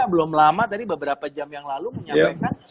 belum lama tadi beberapa jam yang lalu menyampaikan